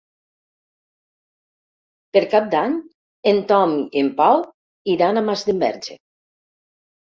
Per Cap d'Any en Tom i en Pau iran a Masdenverge.